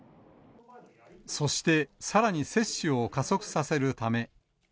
そして、さらに接種を加速させるため。